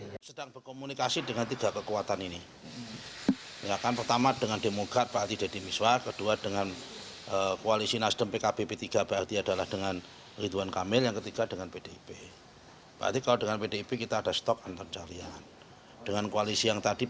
ketua dpd golkar jabar yang mengusung deddy miswar